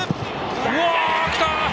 うわ、きた！